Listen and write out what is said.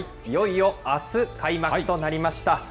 いよいよあす、開幕となりました。